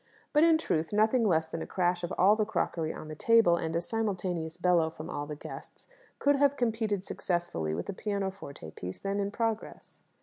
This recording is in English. But, in truth, nothing less than a crash of all the crockery on the table, and a simultaneous bellow from all the guests, could have competed successfully with the pianoforte piece then in progress.